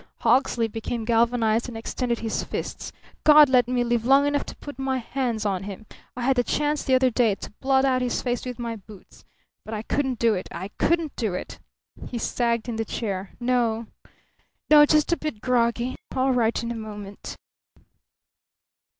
Hawksley became galvanized and extended his fists. "God let me live long enough to put my hands on him! I had the chance the other day to blot out his face with my boots! But I couldn't do it! I couldn't do it!" He sagged in the chair. "No, no! Just a bit groggy. All right in a moment."